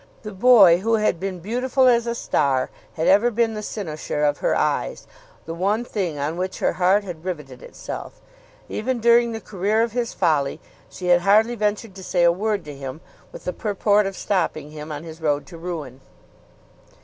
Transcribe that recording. The boy, who had been beautiful as a star, had ever been the cynosure of her eyes, the one thing on which her heart had rivetted itself. Even during the career of his folly she had hardly ventured to say a word to him with the purport of stopping him on his road to ruin.